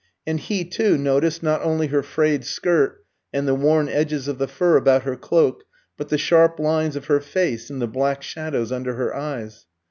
And he, too, noticed not only her frayed skirt and the worn edges of the fur about her cloak, but the sharp lines of her face and the black shadows under her eyes.